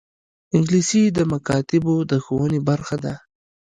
انګلیسي د مکاتبو د ښوونې برخه ده